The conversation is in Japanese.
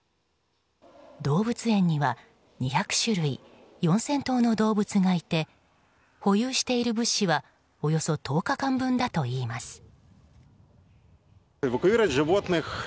動物園には２００種類４０００頭の動物がいて保有している物資はおよそ１０日間分だといいます。